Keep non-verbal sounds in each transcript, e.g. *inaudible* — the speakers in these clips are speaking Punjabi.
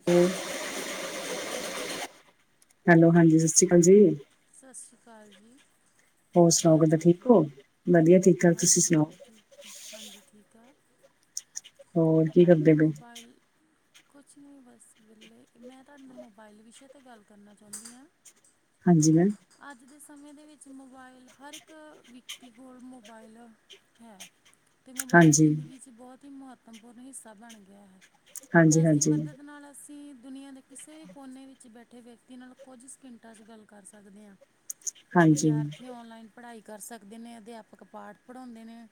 *unintelligible* ਹੈਲੋ। ਹੈਲੋ, ਹਾਂਜੀ ਸਤਿ ਸ਼੍ਰੀ ਅਕਾਲ ਜੀ। ਸਤਿ ਸ਼੍ਰੀ ਅਕਾਲ ਜੀ। ਹੋਰ ਕੀ ਹਾਲ ਸੁਣਾਓ *unintelligible* ਚਾਲ ਠੀਕ ਜੀ ਹੋ ਵਧੀਆ ਠੀਕ। ਠਾਕ ਤੁਸੀਂ ਹਾਂਜੀ ਸੁਣਾਓ ਹਾਂਜੀ ਠੀਕ ਹਾਂਜੀ ਠੀਕ ਹੈ ਹੋਰ ਮੈਂ ਕੀ ਤੁਹਾਡੇ ਕਰਦੇ ਨਾਲ ਪਏ ਮੋਬਾਈਲ ਕੁਛ ਨਹੀਂ ਬਸ ਵਹਲੇ ਮੈਂ ਤੁਹਾਡੇ ਨਾਲ ਮੋਬਾਇਲ ਵਿਸ਼ੇ 'ਤੇ ਗੱਲ ਕਰਨਾ ਚਾਹੁੰਦੀ ਹਾਂ। ਹਾਂਜੀ ਮੈਮ ਅੱਜ ਦੇ ਸਮੇਂ ਦੇ ਵਿੱਚ ਮੋਬਾਇਲ ਹਰ ਇੱਕ ਵਿਅਕਤੀ ਕੋਲ ਮੋਬਾਇਲ ਹੈ ਤੇ ਮੋਬਾਇਲ ਹਾਂਜੀ ਜ਼ਿੰਦਗੀ ਚ ਬਹੁਤ ਹੀ ਮਹੱਤਵਪੂਰਨ ਹਿੱਸਾ ਬਣ ਗਿਆ ਹੈ ਹਾਂਜੀ ਇਸ ਦੀ ਹਾਂਜੀ ਹਾਂਜੀ ਮਦਦ ਨਾਲ ਅਸੀਂ ਅਸੀਂ ਦੁਨੀਆ ਦੇ ਕਿਸੇ ਕੋਨੇ ਵਿੱਚ ਬੈਠੇ ਵਿਅਕਤੀ ਨਾਲ ਕੁਝ ਸਕਿੰਟਾਂ 'ਚ ਗੱਲ ਕਰ ਸਕਦੇ ਹਾਂ ਹਾਂਜੀ ਵਿਦਿਆਰਥੀ ਔਨਲਾਈਨ ਪੜ੍ਹਾਈ ਕਰ ਸਕਦੇ ਨੇ, ਅਧਿਆਪਕ ਪਾਠ ਪੜ੍ਹਾਉਂਦੇ ਨੇ।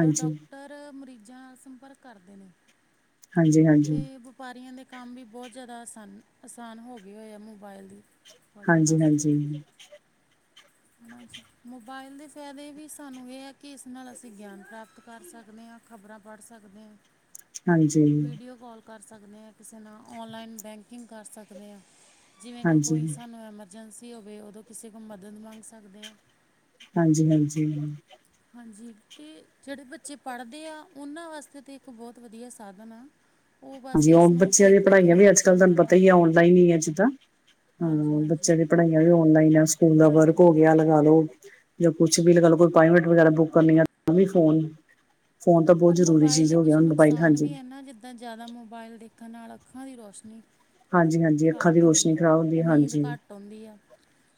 ਔਰ ਡਾਕਟਰ ਮਰੀਜ਼ਾਂ ਨਾਲ ਸੰਪਰਕ ਕਰਦੇ ਨੇ ਹਾਂਜੀ ਹਾਂਜੀ ਹਾਂਜੀ ਤੇ। ਵਪਾਰੀਆਂ ਦੇ ਕੰਮ ਵੀ ਬਹੁਤ ਜ਼ਿਆਦਾ ਆਸਾਨ ਆਸਾਨ ਹੋ ਗਏ ਹੋਏ ਆ ਮੋਬਾਇਲ ਤੇ ਹਾਂਜੀ ਹਾਂਜੀ ਹੈ। ਜੀ ਮੋਬਾਇਲ ਦੇ ਫ਼ਾਇਦੇ ਵੀ ਸਾਨੂੰ ਇਹ ਐ, ਕਿ ਇਸ ਨਾਲ ਅਸੀਂ ਗਿਆਨ ਪ੍ਰਾਪਤ ਕਰ ਸਕਦੇ ਹਾਂ। ਖ਼ਬਰਾਂ ਪੜ੍ਹ ਸਕਦੇ ਹਾਂ ਵੀਡੀਓ ਕਾਲ ਕਰ ਸਕਦੇ ਆਂ, ਕਿਸੇ ਨਾਲ ਔਨਲਾਈਨ ਬੈਂਕਿੰਗ ਕਰ ਸਕਦੇ ਆਂ। ਜਿਵੇਂ ਕੋ ਕੋਈ ਹਾਂਜੀ ਸਾਨੂੰ ਐਮਰਜੈਂਸੀ ਹੋਵੇ, ਉਦੋਂ ਕਿਸੇ ਕੋਲ ਮਦਦ ਮੰਗ ਸਕਦੇ ਹਾਂ। ਹਾਂਜੀ -ਹਾਂਜੀ। ਹਾਂਜੀ। ਅਤੇ ਜਿਹੜੇ ਬੱਚੇ ਪੜ੍ਹਦੇ ਆ, ਉਹਨਾਂ ਵਾਸਤੇ ਤਾਂ ਇੱਕ ਬਹੁਤ ਵਧੀਆ ਸਾਧਨ ਆ। ਉਹ ਬਸ ਹਾਂਜੀ ਇਸ ਨੂੰ ਬੱਚਿਆਂ ਸਹੀ ਦੀਆਂ ਤਰੀਕੇ ਪੜ੍ਹਾਈਆਂ ਨਾਲ ਵੀ ਅੱਜ ਕੱਲ੍ਹ ਵਰਤਣ ਤੁਹਾਨੂੰ ਅਤੇ ਪਤਾ ਤਾਂ ਈ ਐ ਔਨਲਾਈਨ ਈ ਐ ਜਿੱਦਾਂ ਹਾਂਜੀ ਹਾਂ, ਹਾਂਜੀ ਬੱਚਿਆਂ ਦੀ ਪੜ੍ਹਾਈਆਂ ਵੀ ਔਨਲਾਈਨ ਆ ਸਕੂਲ ਦਾ ਵਰਕ ਹੋ ਹਾਂਜੀ ਗਿਆ। ਲਗਾ ਲੋ ਜਾਂ ਕੁੱਛ ਵੀ ਲਗਾ ਲੋ ਅੰਪਾਇਟਮੇਂਟ ਵਗੈਰਾ ਬੁੱਕ ਕਰਨੀ ਤਾਂ ਵੀ ਫੋਨ ਫੋਨ ਤਾਂ ਬਹੁਤ ਪਰ ਜ਼ਰੂਰੀ ਮੋਬਾਇਲ ਚੀਜ਼ ਦੇ ਹੋ ਗਿਆ ਕੁਛ ਹੁਣ ਮੋਬਾਈਲ ਨੁਕਸਾਨ ਹਾਂਜੀ ਵੀ ਐ, ਨਾ ਜਿੱਦਾਂ ਜ਼ਿਆਦਾ ਮੋਬਾਇਲ ਦੇਖਣ ਨਾਲ ਅੱਖਾਂ ਦੀ ਰੋਸ਼ਨੀ। ਹਾਂਜੀ-ਹਾਂਜੀ ਅੱਖਾਂ ਖਰਾਬ ਦੀ ਹੁੰਦੀ ਰੋਸ਼ਨੀ ਆ ਖ਼ਰਾਬ ਹੁੰਦੀ ਹੈ ਨੀਂਦ ਹਾਂਜੀ ਘੱਟ ਆਉਂਦੀ ਆ।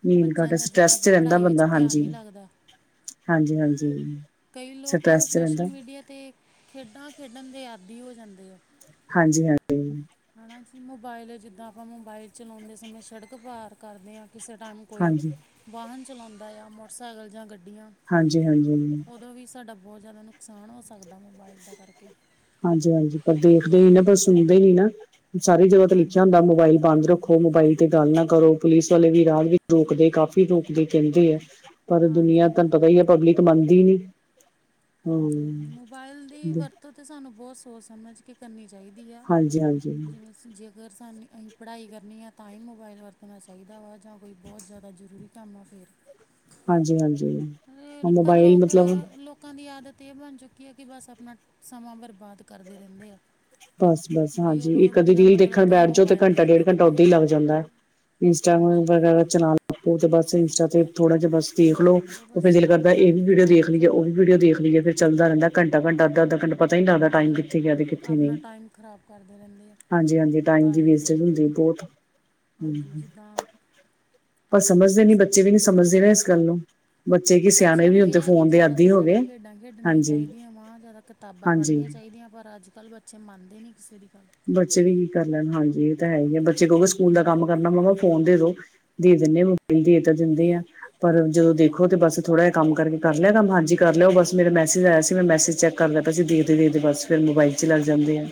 ਨੀਂਦ ਬੱਚਿਆਂ ਘੱਟ ਦਾ ਸਟਰੈਸ ਜਿੱਦਾਂ ਕਿ ਚ ਰਹਿੰਦਾ ਪੜ੍ਹਾਈ ਵਿੱਚ ਬੰਦਾ ਧਿਆਨ ਹਾਂਜੀ। ਨਹੀਂ ਲੱਗਦਾ। ਹਾਂਜੀ-ਹਾਂਜੀ ਕਈ ਲੋਕ ਸਟਰੈਸ ਚ ਰਹਿੰਦਾ ਸੋਸ਼ਲ ਮੀਡੀਆ ਅਤੇ ਖੇਡਾਂ ਖੇਡਣ ਦੇ ਆਦੀ ਹੋ ਜਾਂਦੇ ਆ ਹਾਂਜੀ ਹਾਂਜੀ ਹੈ ਨਾ ਜੀ ਮੋਬਾਇਲ ਜਿੱਦਾਂ ਆਪਾਂ ਮੋਬਾਈਲ ਚਲਾਉਂਦੇ ਸਮੇਂ ਸ਼ੜਕ ਪਾਰ ਕਰਦੇ ਆਂ ਕਿਸੇ ਟਾਈਮ ਕੋਈ ਹਾਂਜੀ। ਵਾਹਨ ਚਲਾਉਂਦਾ ਆ, ਮੋਟਰਸਾਈਕਲ ਜਾਂ ਗੱਡੀਆਂ। ਹਾਂਜੀ ਹਾਂਜੀ ਉਦੋਂ ਵੀ ਸਾਡਾ ਬਹੁਤ ਜ਼ਿਆਦਾ ਨੁਕਸਾਨ ਹੋ ਸਕਦਾ। ਮੋਬਾਇਲ ਦਾ ਕਰਕੇ ਹਾਂਜੀ ਹਾਂਜੀ ਪਰ ਦੇਖਦੇ ਹੀ ਨਾ ਪਰ ਸੁਣਦੇ ਨੀ ਨਾ ਸਾਰੀ ਜਗ੍ਹਾ ਤੇ ਲਿਖਿਆ ਹਾਂਜੀ ਹੁੰਦਾ ਹਾਂਜੀ ਮੋਬਾਇਲ ਬੰਦ ਰੱਖੋ। ਖੋ ਮੋਬਾਈਲ ਤੇ ਗੱਲ ਨਾ ਕਰੋ। ਪੁਲਿਸ ਵਾਲੇ ਵੀ ਰਾਹ ਰੋਕਦੇ ਕਾਫ਼ੀ ਰੋਕਦੇ ਕਹਿੰਦੇ ਆ। ਪਰ ਹਾਂਜੀ ਹਾਂਜੀ ਦੁਨੀਆਂ ਤੁਹਾਨੂੰ ਹਾਂਜੀ ਪਤਾ ਈ ਐ। ਪਬਲਿਕ ਮੰਨਦੀ ਨੀ, ਹਾਂਜੀ -ਹਾਂਜੀ, ਹੂੰ। ਮੋਬਾਇਲ ਦੀ ਵਰਤੋਂ ਤਾਂ ਸਾਨੂੰ ਬਹੁਤ ਸੋਚ- ਸਮਝ ਕੇ। ਕੇ ਕਰਨੀ ਚਾਈਦੀ ਆ। ਹਾਂਜੀ-ਹਾਂਜੀ, ਜਿਵੇਂ ਜੇਕਰ ਸਾਨੂੰ ਅਹੀਂ ਪੜ੍ਹਾਈ ਕਰਨੀ ਐ, ਤਾਂ ਹੀ ਮੋਬਾਇਲ ਵਰਤਣਾ ਚਾਈਦਾ ਵਾ। ਜਾਂ ਕੋਈ ਬਹੁਤ ਜ਼ਿਆਦਾ ਜ਼ਰੂਰੀ ਕੰਮ ਆ ਫੇਰ। ਹਾਂਜੀ-ਹਾਂਜੀ। ਆਏ ਪਰ ਮੋਬਾਇਲ ਲੋਕ ਮਤਲਬ ਲੋਕ ਲੋਕਾਂ ਦੀ ਆਦਤ ਇਹ ਬਣ ਚੁੱਕੀ ਐ ਕਿ ਬਸ ਆਪਣਾ, ਸਮਾਂ ਬਰਬਾਦ ਕਰਦੇ ਰਹਿੰਦੇ ਆ। ਬਸ-ਬਸ ਹਾਂਜੀ, ਬੇਲੋੜ ਇੱਕ-ਅਧੀ ਬਿਨਾਂ ਰੀਲ ਮਤਲਬ ਦੇਖਣ ਤੋਂ ਹੀ ਬੈਠ ਜੋ ਤੇ ਮੋਬਾਇਲ ਘੰਟਾ, ਦੇਖਦੇ ਡੇਢ ਘੰਟਾ ਰਹਿੰਦੇ ਆ ਓਦਾਂ ਈ ਲੱਗ ਲੋਕੀ ਜਾਂਦਾ ਐ। ਇੰਸਟਾ ਹਾਂਜੀ ਵਗੈਰਾ ਚਲਾ ਲੋ, ਤੇ ਬਸ ਇੰਸਟਾ ਤੇ ਥੋੜਾ ਜਿਹਾ ਬਸ ਹਾਂਜੀ ਦੇਖਲੋ, ਉਹ ਬਸ ਫੇਰ ਦਿਲ ਆਪਣਾ ਕਰਦਾ ਇਹ ਟਾਈਮ ਵੀ ਵੀਡੀਓ ਖ਼ਰਾਬ ਦੇਖ ਹੋ ਲਈਏ ਉਹ ਜਾਂਦਾ ਵੀਡੀਓ ਦੇਖ ਲਈਏ, ਫ਼ਿਰ ਚੱਲਦਾ ਰਹਿੰਦਾ ਘੰਟਾ-ਘੰਟਾ, ਅੱਧਾ-ਅੱਧਾ ਘੰਟਾ ਪਤਾ ਨੀ ਲਗਦਾ, ਹਾਂਜੀ ਟਾਈਮ ਆਪ ਕਿੱਥੇ ਗਿਆ ਤੇ ਕਿੱਥੇ ਆਪਣਾ ਨ‌ਈ। ਟਾਈਮ ਖਰਾਬ ਕਰਦੇ ਰਹਿੰਦੇ ਆ। ਹਾਂਜੀ-ਹਾਂਜੀ, ਟਾਈਮ ਦੀ ਮੋਬਾਇਲ 'ਤੇ ਵੇਸਟਿਜ ਹੁੰਦੀ ਬਹੁਤ। ਹਾਂਜੀ ਹੂੰ ਜਿੱਦਾਂ ਪਰ ਸਮਝਦੇ ਨੀ ਬੱਚੇ ਵੀ ਨੀ ਸਮਝਦੇ ਨਾ ਇਸ ਗੱਲ ਨੂੰ। ਬੱਚੇ ਹਾਂਜੀ ਕੀ ਸਿਆਣੇ ਬੱਚਿਆਂ ਵੀ ਨੂੰ ਹੁਣ ਤੇ ਇਹ ਹੈ ਕਿ ਫੋਨ ਦੇ ਜ਼ਿਆਦਾ ਆਦੀ ਤੋਂ ਹੋ ਗਏ ਜ਼ਿਆਦਾ ਖੇਡਾਂ ਖੇਡਣੀਆਂ ਹਾਂਜੀ-ਹਾਂਜੀ। ਚਾਹੀਦੀਆਂ ਵਾਂ ਜ਼ਿਆਦਾ ਕਿਤਾਬਾਂ ਪੜ੍ਹਨੀਆਂ ਚਾਈਦੀਆਂ ਪਰ, ਅੱਜ ਕੱਲ੍ਹ ਬੱਚੇ ਮੰਨਦੇ ਨ‌ੀ ਕਿਸੇ ਦੀ ਗੱਲ। ਬੱਚੇ ਵੀ ਕੀ ਕਰ ਲੈਣ। ਹਾਂਜੀ, ਇਹ ਤਾਂ ਹੈ ਈ ਆ, ਬੱਚੇ ਕ‌ਊਗੇ ਸਕੂਲ ਦਾ ਕੰਮ ਹਾਂਜੀ ਕਰਨਾ ਮੰਮਾ ਫੋਨ ਦੇ ਦੋ। ਦੇ ਦਿੰਦੇ ਆ, ਮੁੜਕੇ ਦੇ ਤਾਂ ਦਿੰਦੇ ਆ। ਪਰ ਜਦੋਂ ਦੇਖੋ ਤੇ ਬਸ ਥੋੜ੍ਹਾ ਜਿਹਾ ਕੰਮ ਕਰਕੇ, ਕਰ ਲਿਆ ਕੰਮ ਹਾਂਜੀ, ਕਰ ਲਿਆ ਉਹ ਬਸ ਮੇਰਾ ਮੈਸੇਜ ਆਇਆ ਸੀ ਮੈਂ ਮੈਸੇਜ ਚੈੱਕ ਕਰਦਾ ਪਇਆ ਸੀ ਦੇਖਦੇ-ਦੇਖਦੇ ਬਸ ਫੇਰ ਮੋਬਾਈਲ 'ਚ ਲੱਗ ਜਾਂਦੇ ਆ।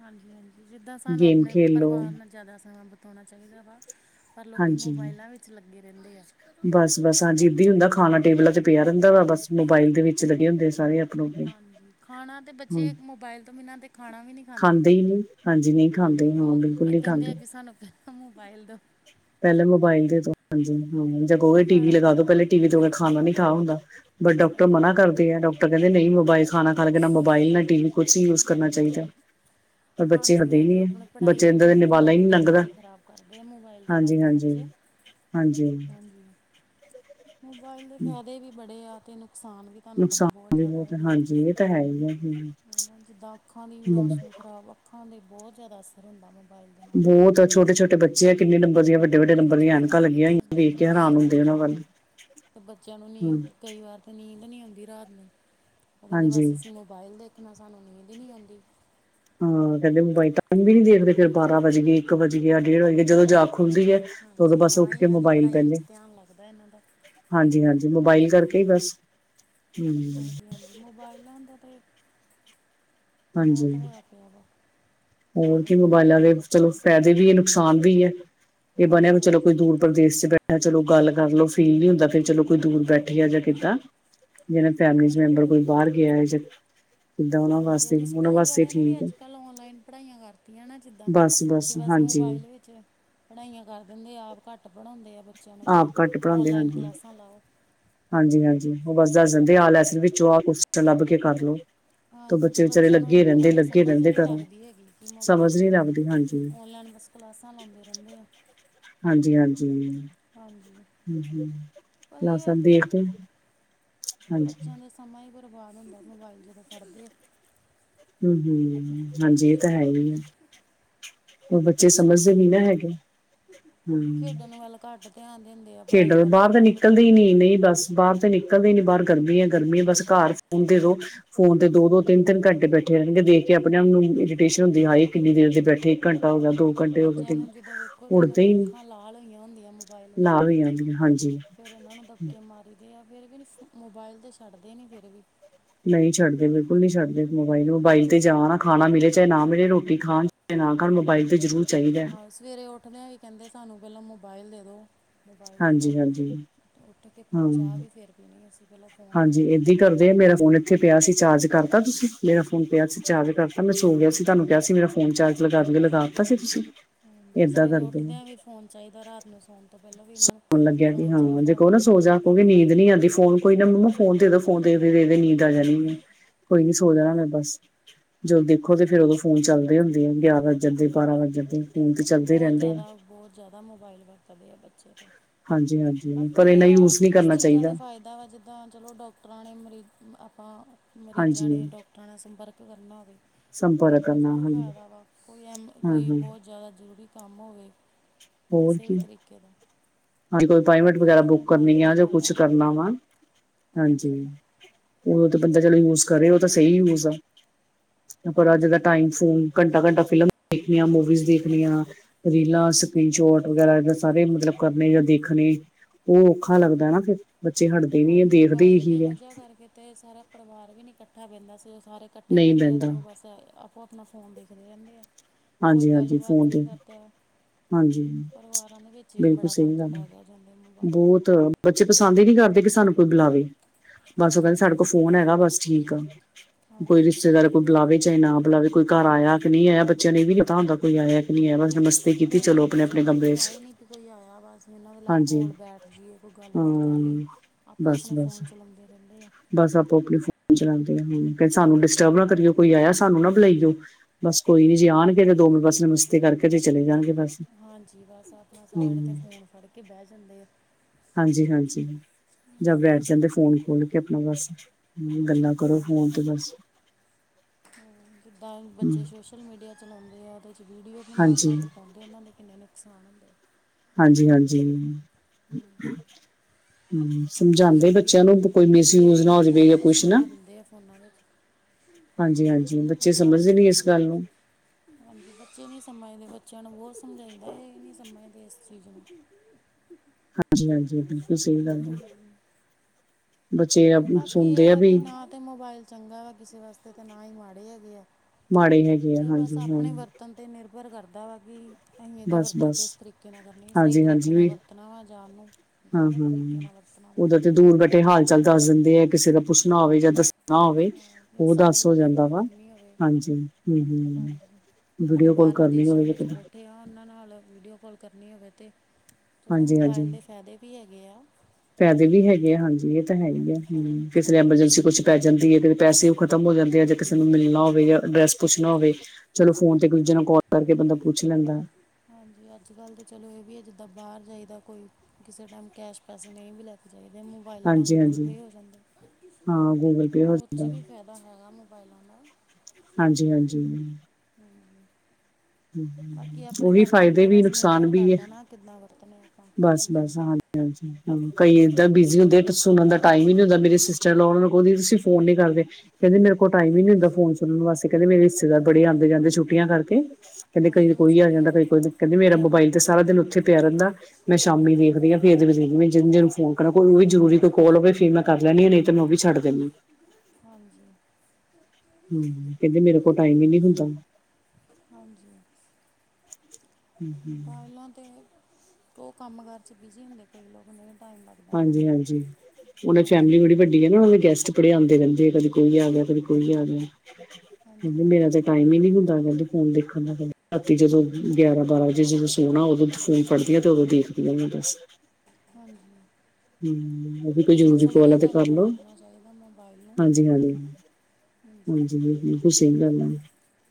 ਹਾਂਜੀ-ਹਾਂਜੀ, ਜਿੱਦਾਂ ਸਾਨੂੰ ਗੇਮ ਆਪਣੇ ਖੇਲ ਲੋ ਪਰਵਾਰ ਨਾਲ ਜ਼ਿਆਦਾ ਸਮਾਂ ਬਿਤਾਉਣਾ ਚਾਈਦਾ ਵਾ। ਪਰ ਲੋਕੀ ਮੋਬਾਇਲਾਂ ਵਿੱਚ ਲੱਗੇ ਰਹਿੰਦੇ ਐ। ਬਸ-ਬਸ ਹਾਂਜੀ ਏਦਾਂ ਈ ਹੁੰਦਾ ਖਾਣਾ ਟੇਬਲਾਂ ਤੇ ਪਿਆ ਰਹਿੰਦਾ ਵਾ, ਬਸ ਮੋਬਾਇਲ ਦੇ ਵਿੱਚ ਲੱਗੇ ਹੁੰਦੇ ਆ ਸਾਰੇ ਆਪ ਹਾਂਜੀ, ਖਾਣਾ ਤੇ ਬੱਚੇ ਮੋਬਾਇਲ ਤੋਂ ਬਿਨਾਂ ਤੇ ਖਾਣਾ ਵੀ ਨੀ ਖਾਂਦੇ। ਹੀ ਨਹੀਂ ਹਾਂਜੀ ਨਹੀਂ ਹਾਂਜੀ, ਖਾਂਦੇ ਹਾਂ ਉਹ ਬਿਲਕੁਲ ਤਾ ਨਹੀਂ ਕਹਿੰਦੇ ਖਾਂਦੇ ਆ ਕਿ ਸਾਨੂੰ ਪਹਿਲਾਂ ਮੋਬਾਇਲ ਦ‌ਉ। ਪਹਿਲਾ ਮੋਬਾਇਲ ਦੇਦੋ ਹਾਂਜੀ ਹਾਂ, ਜਾ ਕੋੋ ਫਿਰ ਟੀ ਵੀ ਖਾਣਾ ਲਗਾ ਦੋ ਖਾਣਾ ਪਹਿਲੇ ਟੀ ਵੀ ਤੋਂ, ਬਿਨਾ ਖਾਣਾ ਨੀ ਖਾ ਹੁੰਦਾ। ਬਟ ਡਾਕਟਰ ਹਾਂਜੀ ਮਨਾ ਕਰ ਤੇ ਇਹ ਡਾਕਟਰ ਕਹਿੰਦੇ ਨ‌ਈਂ ਮੋਬਾਇਲ, ਖਾਣਾ ਖਾਣ ਲੱਗੇ ਨਾ ਮੋਬਾਇਲ, ਨਾ ਟੀ ਵੀ ਕੁਛ ਯੂਜ ਕਰਨਾ ਚਾਈਦਾ। ਪਰ ਬੱਚੇ ਹਾਂਜੀ ਹੱਟਦੇ ਈ ਨੀ ਹਾਂਜੀ ਐ, ਆਪਣੇ ਪੜ੍ਹਾਈ ਬੱਚੇ ਵੱਲ ਵੀ ਅੰਦਰ ਨਹੀਂ ਨਿਵਾਲਾ ਧਿਆਨ ਈ ਨੀ ਦਿੰਦੇ ਲੰਘਦਾ। ਪੜ੍ਹਾਈ ਖ਼ਰਾਬ ਕਰਦੇ ਆ ਮੋਬਾਇਲ ਦਾ ਹਾਂਜੀ ਕਰਕੇ ਹਾਂਜੀ। ਬੱਚੇ। ਹਾਂਜੀ ਹਾਂਜੀ। ਮੋਬਾਇਲ ਦੇ ਫ਼ਾਇਦੇ ਵੀ ਬੜੇ ਆ ਤੇ ਨੁਕਸਾਨ ਵੀ। ਤੁਹਾਨੂੰ ਪਤਾ ਬਹੁਤ ਨੁਕਸਾਨ ਵੀ ਜ਼ਿਆਦਾ ਹੈ ਹੈਗੇ ਆ। ਹਾਂਜੀ ਇਹ ਤਾਂ ਹੈ ਹੀ ਹੈ। ਜਿੱਦਾਂ ਅੱਖਾਂ ਦੀ ਵੀ ਰੌਸ਼ਨੀ ਖ਼ਰਾਬ ਆ। ਖਾਂਦੇ ਬਹੁ ਜ਼ਾਦਾ ਸੀ। ਰਹਿੰਦਾ ਮੋਬਾਇਲ। ਦੇ ਨਾਲ ਬਹੁਤ ਆ, ਛੋਟੇ-ਛੋਟੇ ਬੱਚੇ ਆ ਕਿੰਨੇ ਨੰਬਰ ਦੀਆਂ ਵੱਡ ਵੱਡੇ-ਵੱਡੇ ਨੰਬਰ ਦੀਆਂ ਐਨਕਾਂ ਲੱਗੀਆ ਹੋਈਆ, ਵੇਖ ਹਾਂਜੀ ਕੇ ਹੈਰਾਨ ਹੁੰਦੇ ਹਾਂਜੀ ਉਹਨਾਂ ਵੱਲ, ਹੂੰ। ਫੇਰ ਨੀਂਦ ਨੀ ਆਉਂਦੀ ਰਾਤ ਨੂੰ, ਉਹ ਕਹਿੰਦੇ ਬਸ ਹਾਂਜੀ ਅਸੀਂ ਮੋਬਾਈਲ ਦੇਖਣਾ ਸਾਨੂੰ ਨੀਂਦ ਨੀ ਆਉਂਦੀ। ਹਾਂ ਕਹਿੰਦੇ ਮੁੰਬਾਈ ਟਾਈਮ ਵੀ ਨੀ ਦੇਖਦੇ, ਫੇਰ ਬਾਰਾਂ ਵਜ ਗਏ ਇੱਕ ਵਜ ਗਿਆ ਡੇਢ ਵਜ ਗਿਆ ਜਦੋਂ ਜਾ ਖੁਲਦੀ ਐ ਤੇ ਉਦੋਂ ਹਾਂਜੀ ਬਸ ਨਾ ਉੱਠ ਹੀ ਕੇ ਇਹਨਾਂ ਦੀ ਮੋਬਾਈਲ ਪੜ੍ਹਾਈ ਪੈਂਲ੍ਹੇ। ਵਿੱਚ ਧਿਆਨ ਲੱਗਦਾ ਇਹਨਾਂ ਦਾ ਹਾਂਜੀ-ਹਾਂਜੀ, ਮੋਬਾਈਲ ਕਰਕੇ ਈ ਬਸ ਹਮ ਹਾਂਜੀ-ਹਾਂਜੀ ਮੋਬਾਈਲਾਂ ਦਾ ਤੇ ਬਹੁਤ ਹਾਂਜੀ ਹੋਇਆ ਪਿਆ ਵਾ। ਹੋਰ ਕੀ ਆਦਤ ਬੜੀ ਮੋਬਾਇਲਾਂ ਬਣੀ ਦੇ ਬੱਚਿਆਂ ਚਲੋ ਨੂੰ ਫਾਇਦੇ ਵੀ ਏ ਨੁਕਸਾਨ ਵੀ ਏ। ਇਹ ਬਣਿਆ ਹਾਂਜੀ ਵੀ ਚਲੋ ਕੋਈ ਹਾਂਜੀ ਦੂਰ ਵਿਦੇਸ਼ 'ਚ ਬੈਠਾ ਚਲੋ ਗੱਲ ਕਰਲੋ ਫੀਲ ਨੀ ਹੁੰਦਾ, ਫਿਰ ਚਲੋ ਕੋਈ ਦੂਰ ਬੈਠੀ ਆ ਜਾਂ ਕਿੱਦਾਂ। ਜਿਹੜਾ ਫੈਮਿਲੀ 'ਚ ਹਾਂਜੀ ਮੈਂਬਰ ਕੋਈ ਬਾਹਰ ਗਿਆ ਜਾ ਹਾਂਜੀ-ਹਾਂਜੀ ਸਕੂਲ ਵਾਲਿਆਂ ਨੇ ਵੀ ਠੀਕ ਹੈ ਅੱਜ-ਕੱਲ੍ਹ ਔਨਲਾਈਨ ਪੜ੍ਹਾਈਆਂ ਕਰਤੀਆਂ ਨਾ। ਜਿੱਦਾਂ, ਬਸ ਕੀ ਬਸ ਹਾਂਜੀ ਮੋਬਾਇਲ ਵਿੱਚ ਪੜ੍ਹਾਈਆਂ ਕਰ ਦਿੰਦੇ। ਆਪ ਘੱਟ ਪੜ੍ਹਾਉਂਦੇ ਆ ਬੱਚਿਆਂ ਨੂੰ, ਪੀ ਆਪ ਘੱਟ ਪੜ੍ਹਾਉਂਦੇ ਔਨਲਾਈਨ ਹਾਂਜੀ ਕਲਾਸਾਂ ਲਾਓ। ਹਾਂਜੀ-ਹਾਂਜੀ, ਉਹ ਬਸ ਦੱਸ ਦਿੰਦੇ ਆ ਲੈਸਨ ਵਿੱਚੋਂ ਆ ਕੋਸਟਨ ਲੱਭ ਕੇ ਕਰ ਲੋ। ਹਾਂਜੀ ਤੇ ਬੱਚੇ ਵਿਚਾਰੇ ਬੱਚਿਆਂ ਲੱਗੇ ਨੂੰ ਰਹਿੰਦੇ ਓਨੀ ਲੱਗੇ ਸਮਝ ਰਹਿੰਦੇ ਨੀ ਘਰਾਂ ਲੱਗਦੀ ਹੈਗੀ ਕਿ ਮੋਬਾਇਲ, ਸਮਝ ਨੀ ਲੱਗਦੀ ਹਾਂਜੀ। ਓਨਲੈਨ ਬਸ ਕਲਾਸਾਂ ਲਾਉਂਦੇ ਰਹਿੰਦੇ ਆਂ। ਹਾਂਜੀ-ਹਾਂਜੀ। ਹਾਂਜੀ, ਹੂੰ-ਹੂੰ ਪਰ ਇਹ ਐ ਕਲਾਸਾਂ ਕਿ ਦੇਖਦੇ ਹਾਂਜੀ। ਬੱਚਿਆਂ ਦਾ ਸਮਾਂ ਈ ਬਰਬਾਦ ਹੁੰਦਾ ਮੋਬਾਇਲ ਜਦੋਂ ਫੜ੍ਹਦੇ ਆ। ਹੂੰ-ਹੂੰ, ਹਾਂਜੀ ਇਹ ਤਾਂ ਹੈ ਈ ਐ। ਉਹ ਬੱਚੇ ਹਾਂਜੀ ਸਮਝਦੇ ਨੀ ਨਾ ਹੈਗੇ। ਹਾਂਜੀ ਹੂੰ, ਖੇਡਣ ਵੱਲ ਘੱਟ ਧਿਆਨ ਦਿੰਦੇ ਆ ਪੜ੍ਹਾਈ ਖੇਡਣ ਵੱਲ ਵੀ ਬਾਹਰ ਤਾਂ ਬਹੁਤ ਘੱਟ ਨਿਕਲ਼ਦੇ ਨੀ ਧਿਆਨ ਨ‌ਈਂ ਦਿੰਦੇ ਬਸ। ਬਾਹਰ ਤੇ ਨਿਕਲਦੇ ਨੀ ਬਾਹਰ ਗਰਮੀ ਐ ਗਰਮੀ ਬਸ ਘਰ ਫੋਨ ਦੇ ਦੋ ਫੋਨ ਤੇ ਦੋ-ਦੋ, ਤਿੰਨ-ਤਿੰਨ ਘੰਟੇ ਬੈਠੇ ਬੈਠੇ ਰਹਿਣਗੇ ਦੇਖ ਕੇ ਆਪਣੇ ਆਪ ਨੂੰ ਇਰੀਟੇਸ਼ਨ ਹੁੰਦੀ ਹਾਏ ਕਿੰਨੀ ਦੇਰ ਦੇ ਬੈਠੇ ਇੱਕ ਘੰਟਾ ਹੋ ਗਿਆ ਦੋ ਘੰਟੇ ਹੋ ਗਏ ਬੱਚਿਆਂ ਤਿੰਨ ਨੂੰ ਜਦੋਂ ਵੇਖੋ ਤੇ ਇਹਨਾਂ ਉੱਠਦੇ ਦੀਆਂ ਹੀ ਨੀ ਅੱਖਾਂ ਲਾਲ ਹੋਈਆਂ ਹੁੰਦੀਆਂ ਮੋਬਾਇਲ ਲਾਭ ਵੇਖ-ਵੇਖ ਹੀ ਕੇ। ਆਉਂਦੀਆਂ ਹਾਂਜੀ ਫਿਰ ਇਹਨਾਂ ਨੂੰ ਦਬਕੇ ਮਾਰੀ ਦੇ ਆ, ਫਿਰ ਵੀ ਨ‌ੀ ਮੋਬਾਇਲ ਤੇ ਛੱਡਦੇ ਨੀ ਫਿਰ ਵੀ। ਨ ਈ ਛੱਡਦੇ ਬਿਲਕੁਲ ਨੀ ਛੱਡਦੇ, ਮੋਬਾਈਲ ਮੋਬਾਈਲ ਤੇ ਜਾਵਾ ਨਾ ਖਾਣਾ ਮਿਲੇ ਚਾਹੇ ਨਾ ਮਿਲੇ ਰੋਟੀ ਖਾਣ ਤੇ ਨਾ ਕਰ ਮੋਬਾਇਲ ਤੇ ਜ਼ਰੂਰ ਚਾਹੀਦਾ ਆਹੋ ਸਵੇਰੇ ਉੱਠਦਿਆਂ ਹੀ ਕਹਿੰਦੇ ਸਾਨੂੰ ਪਹਿਲਾਂ ਮੋਬਾਇਲ ਦੇ ਦੋ। ਮੋਬਾਈਲ ਦੇ ਓ, ਹਾਂਜੀ ਹਾਂਜੀ ਉੱਠ ਕੇ ਹਾਂ ਚਾਹ ਵੀ ਫੇਰ ਪੀਣੀ ਅਸੀਂ। ਪਹਿਲਾਂ ਫੋਨ ਦੇ ਹਾਂਜੀ, ਦਿਉ ਇਹ ਵੀ ਕਰਦੇ ਆ ਮੇਰਾ ਫੋਨ ਇੱਥੇ ਪਿਆ ਸੀ ਚਾਰਜ ਕਰਤਾ ਤੁਸੀਂ, ਮੇਰਾ ਫੋਨ ਪਿਆ ਸੀ ਚਾਰਜ ਕਰਤਾ ਮੈਂ ਸੋ ਗਿਆ ਸੀ ਤੁਹਾਨੂੰ ਕਿਹਾ ਸੀ ਮੇਰਾ ਫ ਫੋਨ ਚਾਰਜ ਲਗਾਗੇ ਲਗਾ ਤਾ ਸੀ ਤੁਸੀਂ ਹਾਂਜੀ ਏਦਾਂ ਸਵੇਰੇ ਕਰਦੇ ਹੋ। ਉੱਠਦਿਆਂ ਵੀ ਫੋਨ ਚਾਹੀਦਾ ਰਾਤ ਨੂੰ ਸੋਣ ਤੋਂ ਪਹਿਲਾਂ ਵੀ ਇਹਨਾਂ ਨੂੰ। ਹੋਣ ਲੱਗਿਆ ਜੀ ਫੋਨ ਹਾਂ ਜੇ ਚਾਹੀਦਾ ਵਾ ਕੋ ਨਾ ਸੋਜਾ ਕਹਿਉਗੀ ਨੀਂਦ ਨੀ ਆਂਦੀ ਫੋਨ ਕੋਈ ਨਾ ਮੰਮਾ ਫੋਨ ਦੇ ਦਿਉ ਫੋਨ ਦੇਖਦੇ-ਦੇਖਦੇ ਨੀਂਦ ਆ ਜਾਣੀ ਆ। ਕੋਈ ਨੀ ਸੋ ਜਾਣਾ ਮੈਂ ਬਸ। ਜਦੋਂ ਦੇਖੋ ਫੇਰ ਉਦੋਂ ਫੋਨ ਚੱਲਦੇ ਹੁੰਦੇ ਆ ਗਿਆਰਾਂ ਜਦ ਦੇ ਬਾਰਾਂ ਵੱਜ ਜਾਂਦੇ ਆ ਫੋਨ ਤੇ ਚੱਲਦੇ ਹੀ ਰਹਿੰਦੇ ਆ। ਜ਼ਾਦਾ ਮੋਬਾਇਲ ਵਰਤਦੇ ਆ ਬੱਚੇ ਤੇ, ਹਾਂਜੀ ਹਾਂਜੀ ਬਾਕੀ ਪਰ ਇੰਨਾ ਇਹ ਵਾ ਯੂਜ ਨਹੀਂ ਕੁਛ ਕਰਨਾ ਚੀਜ਼ਾਂ ਚਾਹੀਦਾ ਦੇ ਫਾਇਦੇ ਇੱਦਾਂ ਵਾ ਜਿੱਦਾਂ ਚਲੋ ਡੋਕਟਰਾਂ ਨੇ ਮਰੀਜ਼ ਆਪਾਂ ਮਰੀਜ਼ਾਂ ਨੇ ਹਾਂਜੀ ਡੋਕਟਰਾਂ ਨਾਲ ਸੰਪਰਕ ਕਰਨਾ ਹੋਵੇ ਤੇ ਸੰਪਰਕ ਇੱਕ ਕਰਨਾ ਚਲੋ ਹਾਂਜੀ ਫਾਇਦਾ ਵਾ ਹਾਂ ਕੋਈ-ਕੋਈ ਹਾਂ ਬਹੁਤ ਜ਼ਿਆਦਾ ਜ਼ਰੂਰੀ ਕੰਮ ਹੋਵੇ, ਹੋਰ ਕਿਸੇ ਵੀ ਕੀ ਤਰੀਕੇ ਦਾ। ਹਾਂਜੀ ਕੋਈੰ ਅਪਮੈਂਟ ਫਿਰ ਵਗੈਰਾ ਤਾਂ ਬੁੱਕ ਮੋਬਾਈਲ ਕਰਨੀ ਦਾ ਆ ਕੁਛ ਫਾਇਦਾ ਕਰਨਾ ਵਾ ਹਾਂਜੀ। ਓਹ ਦਾ ਤਾਂ ਬੰਦਾ ਚਲੋ ਯੂਜ ਕਰ ਰਿਆ ਓਹ ਤਾਂ ਸਈ ਯੂਜ ਆ, ਪਰ ਅੱਜ ਹਾਂਜੀ ਦਾ ਟਾਈਮ ਫੋਨ ਘੰਟਾ-ਘੰਟਾ ਫਿਲਮ ਦੇਖਲੀਆਂ ਮੂਵੀਜ਼ ਦੇਖਲੀਆਂ। ਰੇਲਾਂ ਸਕਰੀਨ ਸ਼ੋਟ ਵਗੈਰਾ ਸਾਰੇ ਮਤਲਬ ਕਰਨੇ ਜਾਂ ਦੇਖਣੇ ਓ ਔਖਾ ਲੱਗਦਾ ਨਾ ਫੇਰ ਬੱਚੇ ਹਟਦੇ ਵੀ ਹਾਂ ਹੈ ਦੇਖਦੇ ਮੋਬਾਈਲ ਹੀ ਦੀ ਏਹੀ ਐ। ਵਜ੍ਹਾ ਕਰਕੇ ਤੇ ਸਾਰਾ ਪਰਿਵਾਰ ਵੀ ਨੀ ਇਕੱਠਾ ਬੈਠਦਾ ਜਦੋਂ ਸਾਰੇ ਇਕੱਠੇ ਨਹੀਂ ਬਹਿਣੇ ਆ ਤੇ ਬਹਿੰਦਾ ਉਹ ਬਸ ਓਹ ਆਪਣਾ ਫੋਨ ਦੇਖਦੇ ਰਹਿੰਦੇ ਆ, ਕੋਈ ਹਾਂਜੀ ਹਾਂਜੀ ਗੱਲਬਾਤ ਫੋਨ ਨਈ ਤੇ ਕਰਦਾ। ਹਾਂਜੀ ਪਰਿਵਾਰਾਂ ਦੇ ਵਿੱਚ ਏ ਬਿਲਕੁਲ ਬੜਾ ਸਹੀ ਫ਼ਰਕ ਗੱਲ ਹੈ ਪੈ ਰਹਿ ਜਾਂਦਾ ਮੋਬਾਇਲਾਂ ਦੇ ਬਹੁਤ ਕਰਕੇ। ਬੱਚੇ ਪਸੰਦ ਹੀ ਨਹੀਂ ਕਰਦੇ ਕਿ ਸਾਨੂੰ ਕੋਈ ਬੁਲਾਵੇ। ਬਸ ਉਹ ਕਹਿੰਦੇ ਸਾਡੇ ਹਾਂਜੀ ਕੋਲ ਫੋਨ ਹੈਗਾ ਬਸ ਠੀਕ ਆ ਕੋਈ ਹਾਂਜੀ ਰਿਸ਼ਤੇਦਾਰ ਕੋਈ ਬੁਲਾਵੇ ਚਾਹੇ ਨਾ ਬੁਲਾਵੇ ਕੋਈ ਘਰ ਆਇਆ ਨਹੀਂ ਆਇਆ ਬੱਚਿਆਂ ਨੇ ਇਹ ਵੀ ਪਤਾ ਹੁੰਦਾ ਕੋਈ ਆਇਆ ਨਈ ਆਇਆ ਬਸ ਨਮ ਨਈ-ਨਈ ਬੱਚਿਆਂ ਨੂੰ ਤਾਂ ਹੈ ਹੀ ਨੀ ਵੀ ਕੋਈ ਆਇਆ ਬਸ ਏਨਾਂ ਦੇ ਲਾਗੇ ਹਾਂਜੀ ਕੋਲ ਬੈਠ ਜਾਈਏ ਕੋਈ ਹਾਂ ਗੱਲਬਾਤ ਕਰ ਲਈਏ। ਆਪੋ ਬਸ ਆਪਣੇ ਬਸ ਫੋਨ ਚਲਾਉਂਦੇ ਰਹਿੰਦੇ ਆ। ਬਸ ਆਪੋ ਆਪਣੀ ਫੋਨ ਚਲਾਦੇ ਆ ਹੂੰ ਸਾਨੂੰ ਡਿਸਟਰਬ ਨਾ ਕਰੀਓ ਕੋਈ ਆਇਆ ਸਾਨੂੰ ਨਾ ਬੁਲਾਈਓ। ਬਸ ਕੋਈ ਨੀ ਜੇ ਆਣਗੇ ਤੇ ਦੋ ਮ ਬਸ ਨਮਸਤੇ ਕਰਕੇ ਤੇੇ ਚਲੇ ਜਾਣਗੇ ਬਸ। ਹਾਂਜੀ ਬਸ ਆਪਣਾ ਸਾਈਡ ਤੇ ਹਮ ਫੋਨ ਫੜ ਕੇ ਬਹਿ ਜਾਂਦੇ ਆ। ਹਾਂਜੀ-ਹਾਂਜੀ ਜਾਂ ਬੈਠ ਜਾਂਦੇ ਫੋਨ ਖੋਲ ਕੇ ਆਪਣਾ ਬਸ ਗੱਲਾਂ ਕਰੋਂ ਹਾਂਜੀ ਫੋਨ ਤੇ ਬਸ। ਜਿਦਾਂ ਹੂੰ ਬੱਚੇ ਸ਼ੋਸ਼ਲ ਮੀਡੀਆ ਚਲਾਉਂਦੇ ਆ ਓਦੇ 'ਚ ਵੀਡੀਓ ਬਣਾ-ਬਣਾ ਹਾਂਜੀ, ਕੇ ਪਉਂ ਓਨਾਂ ਦੇ ਕਿੰਨੇ ਨੁਕਸਾਨ ਹੁੰਦੇ। ਹਾਂਜੀ-ਹਾਂਜੀ। ਹਮ ਅੱਜ ਕੱਲ੍ਹ ਸਮਝਾਦੇ ਲੋਕ ਬੱਚਿਆਂ ਨੂੰ, ਕੋਈ ਏ ਮਿਸਯੂਜ ਆਈ ਨਾ ਹੋ ਨਾਲ ਜਾਵੇ ਬਹੁਤ ਜਾਂ ਕੁਛ ਨਾ ਬਣਾ ਦਿੰਦੇ ਆ ਫੋਨਾਂ ਵਿੱਚ ਹਾਂਜੀ-ਹਾਂਜੀ ਬੱਚੇ ਉਹਦੇ ਨਾਲ ਵੀ ਸਮਝਦੇ ਨੀ ਬੱਚਿਆਂ ਇਸ ਗੱਲ ਨੂੰ। ਹਾਂਜੀ ਬੱਚੇ ਨਈ ਸਮਝਦੇ ਬੱਚਿਆਂ ਨੂੰ ਬਹੁਤ ਸਮਝਾਈਦਾ ਏ ਨੀ ਸਮਝਦੇ ਇਸ ਚੀਜ਼ ਨੂੰ। ਹਾਂਜੀ-ਹਾਂਜੀ ਬਿਲਕੁਲ ਸਹੀ ਗੱਲ ਐ। ਬਾਕੀ ਇਹ ਆ ਵਾ ਕਿ ਵੀ ਨਾ ਤੇ ਮੋਬਾਇਲ ਚੰਗਾ ਵਾ ਕਿਸੇ ਵਾਸਤੇ ਤੇ ਨਾ ਈ ਮਾੜੇ ਹੈਗੇ ਆ। ਮਾੜੇ ਹੈਗੇ ਆ ਹਾਂਜੀ ਹਾਂ। ਬੰਦੇ ਤੇ ਨਿਰਭਰ ਕਰਦਾ ਕਿ ਅਵੇਂ ਦੀ ਵਰਤੋਂ ਬਸ-ਬਸ ਕਿਸ ਤਰੀਕੇ ਨਾਲ ਕਰਨੀ ਸਹੀ ਤਰੀਕੇ ਹਾਂਜੀ-ਹਾਂਜੀ ਨਾਲ ਵੀ ਵਰਤਣਾ ਵਾ ਜਾ ਓਨੂੰ। ਹਾਂ ਗਲਤ ਹਾਂ ਤਰੀਕੇ ਨਾਲ ਵਰਤਣਾ ਵਾ। ਉਹਦਾ ਤੇ ਦੂਰ ਬੈਠੇ ਹਾਲ-ਚਾਲ ਦੱਸ ਦਿੰਦੇ ਆ ਕਿਸੇ ਦਾ ਪੁੱਛਣਾ ਹੋਵੇ ਜਾਂ ਦਸਣਾ। ਨਾ ਵੀ ਹਾਂ ਓ ਕਿਸੇ ਨੂੰ ਦੱਸ ਹੋ ਵੀਡੀਓ ਜਾਂਦਾ ਕਾਲ ਵਾ ਕਰਨੀ ਹੋਵੇ ਹਾਂਜੀ ਹੂੰ-ਹੂੰ। ਜੇੜੈ ਬਾਅਰ ਵਿਦੇਸ਼ਾਂ ਵਿੱਚ ਬੈਠੇ ਆ ਓਨਾਂ ਨਾਲ ਵੀਡੀਓ ਕੋਲ ਕਰਨੀ ਹੋਵੇ ਤਾਂ ਚਲੋ ਮੋਬਾਇਲ ਦੇ ਫਾਇਦੇ ਵੀ ਹੈਗੇ ਆ। ਪੈਦੇ ਵੀ ਹੈਗੇ ਆ ਹਾਂਜੀ ਇਹ ਤਾਂ ਹੈ ਹੀ ਆ ਹ ਹਾਂਜੀ ਸਾਰਾ ਕਿਸੇ ਨੁਕਸਾਨ ਨੂੰ ਵੀ ਐਮਰਜੈਂਸੀ ਕੁਛ ਪੈ ਹੈਗਾ ਜਾਂਦੀ ਐ ਕਿ ਪੈਸੇ ਉਹ ਖਤਮ ਹੋ ਜਾਂਦੇ ਆ ਜਾਂ ਕਿਸੇ ਨੂੰ ਮਿਲਣਾ ਹੋਵੇ ਜਾਂ ਐਡਰੈਸ ਪੁੱਛਣਾ ਹੋਵੇ। ਚਲੋ ਫੋਨ ਤੇ ਇੱਕ ਹਾਂਜੀ। ਦੂਜੇ ਨੂੰ ਕੌਲ ਕਰਕੇ ਬੰਦਾ ਪੁੱਛ ਲੈਂਦਾ। ਹਾਂਜੀ ਅੱਜ-ਕੱਲ ਤਾਂ ਚਲੋ ਇਹ ਵੀ ਹੈ ਜਿੱਦਾਂ ਬਾਹਰ ਜਾਈਦਾ ਕੋਈ ਕਿਸੇ ਟਾਈਮ ਕੈਸ਼ ਪੈਸੇ ਨਈ ਵੀ ਲੈਂ ਚਾਹੀਦੇ ਮੋਬਾਇਾਈਲਾਂ ਨਾਲ ਹਾਂਜੀ ਗੂਗਲ ਹਾਂਜੀ ਪੇ ਹੋ ਜਾਂਦੇ ਹਾਂ ਗੂਗਲ ਪੇ ਹੋ ਓ 'ਚ ਜਾਂਦਾ ਵੀ ਫਾਇਦਾ ਫੈਦਾ ਹੈਗਾ ਮੋਬਾਈਲਾਂ ਦਾ। ਹਾਂਜੀ-ਹਾਂਜੀ। ਬਾਕੀ ਆਪਣੇ ਉਹੀ ਵਰਤਨ ਫਾਇਦੇ ਤੇ ਵੀ ਬਸ ਨੁਕਸਾਨ ਨਿਰਭਰ ਵੀ ਹੈ ਕਰਦਾ ਨਾ ਕਿੱਦਾਂ ਵਰਤਨੇ ਆਪਾਂ ਚੀਜ਼ ਨੂੰ ਬਸ-ਬਸ, ਹਾਂਜੀ-ਹਾਂਜੀ ਕਈ ਏਦਾਂ ਬਿਜੀ ਹੁੰਦੇ। ਸੁਣ ਦਾ ਟਾਈਮ ਈ ਨੀ ਹੁੰਦਾ ਮੇਰੇ ਸਿਸਟਰਲੋ ਓਨੂੰ ਕਹਿੰਦੀ ਤੁਸੀ ਫੋਨ ਨੀ ਕਰਦੇ ਕਹਿੰਦੇ ਮੇਰੇ ਕੋਲ ਟਾਈਮ ਈ ਨੀ ਹੁੰਦਾ। ਫੋਨ ਸੁਣਨ ਵਾਸਤੇ ਕਹਿੰਦੇੇ ਮੇਰੇ ਰਿਸ਼ਤੇਦਾਰ ਬੜੇ ਆਦੇ ਜਾਂਦੇ ਛੁੱਟੀਆ ਕਰਕੇ ਕਹਿੰਦੇ ਕਈ ਹਾਂਜੀ ਉਹ ਕੋਈ ਆ ਛੁੱਟੀਆਂ ਜਾਂਦਾ ਕਦੇ ਕਰਕੇ ਕਈ ਕਹਿੰਦੇ ਮੇਰਾ ਕਈਆਂ ਕੋਲ ਮੋਬਾਇਲ ਤੇ ਟਾਈਮ ਸਾਰਾ ਨਹੀਂ ਦਿਨ ਉੱਥੇ ਹੁੰਦਾ ਪਿਆ ਰਹਿੰਦਾ। ਮੈਂ ਸ਼ਾਮੀ ਦੇਖਦੀ ਹਾਂ ਫੇਰ ਜਦੋਂ ਵੇਹਲ ਮਿਲ ਜਾਂਦੀ ਹੈ। ਜਦੋਂ ਫੋਨ ਕਰਾ ਕੋਈ ਓ ਵੀ ਜ਼ਰੂਰ ਕੌਲ ਹੋਵੇ ਫਿਰ ਮੈਂ ਕਰ ਲੈੈਣੀ ਆ ਨਈ ਤਾਂ ਮੈਂ ਓ ਵੀ ਛੱਡ ਦਿੰਨੀ ਆ। ਹਾਂਜੀ। ਹੂੰ, ਕਹਿੰਦੀ ਮੇਰੇ ਕੋਲ ਟਾਈਮ ਈ ਨੀ ਹੁੰਦਾ। ਹਾਂਜੀ। ਪਹਿਲਾਂ ਤੇ ਓ ਕੰਮ-ਕਾਰ 'ਚ ਬਿਜ਼ੀ ਹੁੰਦੇ ਕਈ ਲੋਕ ਨਈ। ਹਾਂਜੀ-ਹਾਂਜੀ ਓਨਾ ਦੀ ਹਾਂਜੀ ਫੈਮਿਲੀ ਬੜੀ ਵੱਡੀ ਨਾ ਉਹ ਦੇ ਗੈਸਟ ਪੜ੍ਹਿਆਉਂਦੇ ਰਹਿੰਦੇ ਆ ਕਦੀ ਕੋਈ ਆ ਗਿਆ, ਕਦੀ ਕੋਈ ਆ ਗਿਆ। ਹਾਂਜੀ ਮੇਰਾ ਤਾਂ ਹਾਂਜੀ ਟਾਈਮ ਹੀ ਨਹੀਂ ਹੁੰਦਾ ਕਹਿੰਦੇ। ਫੋਨ ਦੇਖਣ ਦਾ ਪ ਰਾਤੀ ਜਦੋਂ ਗਿਆਰਾਂ- ਬਾਰਾਂ ਵਜੇ ਜਦੋਂ ਸੌਣਾ ਉਦੋਂ ਫੋਨ ਫੜਦੀਆਂ ਤੇ ਉਦੋਂ ਦੇਖਦੀਆਂ ਬਸ। ਹਾਂਜੀ। ਹੂੰ ਵੀ ਕੋਈ ਇਸ ਨੂੰ ਜ਼ਰੂਰੀ ਕੋਲ ਹੈ ਤੇ ਸਮਝਦਾਰੀ ਨਾਲ ਕਰਲੋ। ਵਰਤਣਾ ਚਾਹੀਦਾ ਮੋਬਾਈਲ ਨੂੰ ਹਾਂਜੀ- ਹਾਂਜੀ। ਹਾਂਜੀ, ਬਿਲਕੁਲ- ਬਿਲਕੁਲ, ਸਹੀ ਗੱਲ ਹੈ।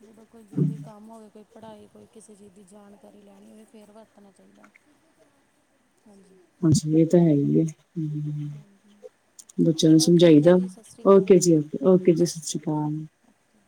ਜਦੋਂ ਕੋਈ ਜ਼ਰੂਰੀ ਕੰਮ ਹੋਵੇ ਕੋਈ ਪੜ੍ਹਾਈ ਕੋਈ ਕਿਸੇ ਚੀਜ਼ ਦੀ ਜਾਣਕਾਰੀ ਲੈਣੀ ਹੋਵੇ, ਫਿਰ ਵਰਤਣਾ ਚਾਹੀਦਾ ਹੈ। ਹਾਂਜੀ। ਇਸ ਤੇ ਇਹ ਤਾਂ ਹੈ ਹੀਏ। ਹਾਂਜੀ ਬੱਚਿਆਂ ਨੂੰ ਚਲੋ ਸਮਝਾਈ ਠੀਕ ਹੈ ਦਾ। ਜੀ ਸਤਿ ਸ਼੍ਰੀ ਅਕਾਲ ਓਕੇ ਜੀ -ਓਕੇ ਓਕੇ ਜੀ, ਸਤਿ ਓਕੇ ਸ਼੍ਰੀ ਅਕਾਲ। ਓਕੇ